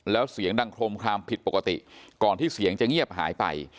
แล้วเสียงดังโครมคลามผิดปกติก่อนที่เสียงจะเงียบหายไป